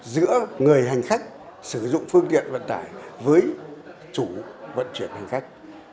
giữa người hành khách sử dụng phương tiện vận tải với chủ vận chuyển hành khách